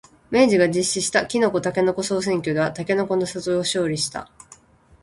明治が実施したきのこ、たけのこ総選挙ではたけのこの里が勝利した。